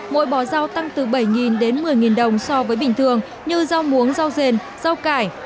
mỗi bò rau tăng từ bảy đến một mươi đồng so với bình thường như rau muống rau dền rau cải